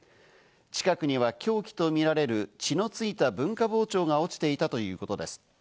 近くには凶器とみられる血のついた文化包丁が落ちていたということです。